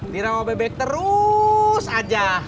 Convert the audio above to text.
dirawa bebek terus aja